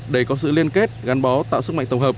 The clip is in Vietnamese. để có sự liên kết gắn bó tạo sức mạnh tổng hợp